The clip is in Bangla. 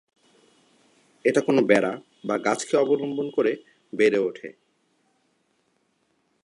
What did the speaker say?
এটি কোনো বেড়া বা গাছকে অবলম্বন করে বেড়ে উঠে।